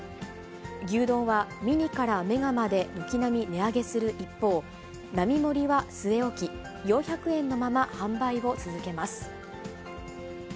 牛丼はミニからメガまで軒並み値上げする一方、並盛は据え置き、４００円のまま販売を続けます。